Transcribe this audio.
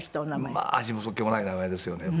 まあ味も素っ気もない名前ですよね。